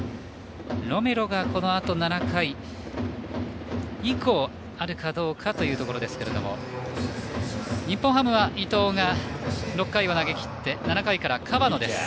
ロメロがこのあと７回以降あるかどうかというところですが日本ハムは伊藤が６回を投げきって７回から河野です。